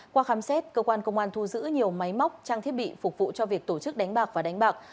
qua khám xét cơ quan công an thu giữ nhiều máy móc trang thiết bị phục vụ cho việc tổ chức đánh bạc và đánh bạc